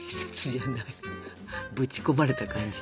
ぶち込まれた感じ。